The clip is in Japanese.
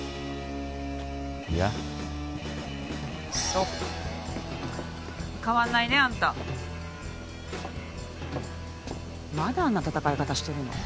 いやそう変わんないねあんたまだあんな戦い方してるの？